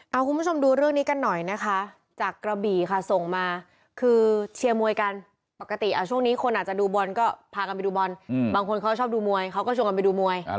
เอาคุณผู้ชมดูเรื่องนี้กันหน่อยนะคะจากกระบี่ค่ะส่งมาคือเชียร์มวยกันปกติช่วงนี้คนอาจจะดูบอลก็พากันไปดูบอลบางคนเขาชอบดูมวยเขาก็ชวนกันไปดูมวย